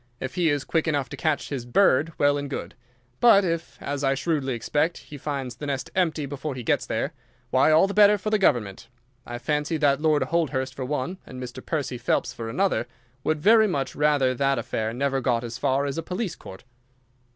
If he is quick enough to catch his bird, well and good. But if, as I shrewdly suspect, he finds the nest empty before he gets there, why, all the better for the government. I fancy that Lord Holdhurst for one, and Mr. Percy Phelps for another, would very much rather that the affair never got as far as a police court.